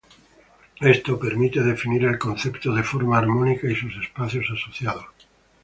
Esto permite definir el concepto de forma armónica y sus espacios asociados.